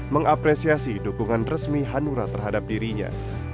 mengapresiasi dukungan resmi hanura terhadap dirinya